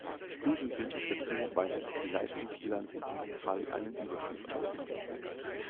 Spiegelbildlich dazu weist die Leistungsbilanz in diesem Fall einen Überschuss aus.